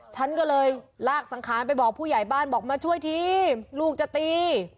ฉันก็เลยลากสังขารไปบอกผู้ใหญ่บ้านบอกมาช่วยทีลูกจะตี